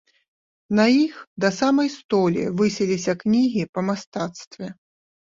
На іх да самай столі высіліся кнігі па мастацтве.